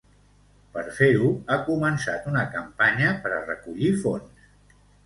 Per fer-ho, ha començat una campanya per a recollir fons.